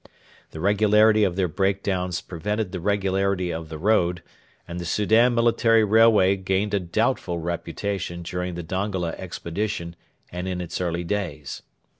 The regularity of their break downs prevented the regularity of the road, and the Soudan military railway gained a doubtful reputation during the Dongola expedition and in its early days.